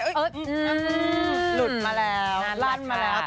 หลุดมาแล้วลั่นมาแล้ว